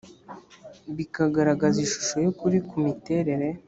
bikagaragaza ishusho y ukuri ku miterere